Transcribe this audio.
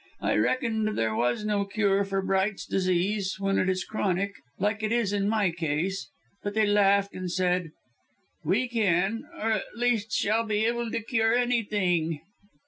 I reckoned there was no cure for Bright's Disease, when it is chronic, like it is in my case; but they laughed, and said, 'We can or at least shall be able to cure anything.'"